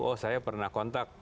oh saya pernah kontak